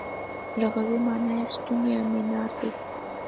لغوي مانا یې ستون یا مینار دی.